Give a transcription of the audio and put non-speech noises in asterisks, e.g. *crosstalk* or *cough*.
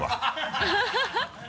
ハハハ *laughs*